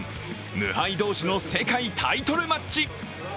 無敗同士の世界タイトルマッチ。